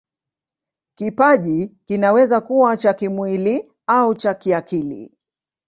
Kipaji kinaweza kuwa cha kimwili au cha kiakili.